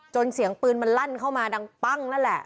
เสียงปืนมันลั่นเข้ามาดังปั้งนั่นแหละ